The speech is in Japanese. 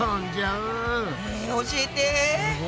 え教えて！